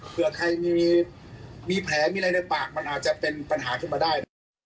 เผื่อใครมีแผลมีอะไรในปากมันอาจจะเป็นปัญหาขึ้นมาได้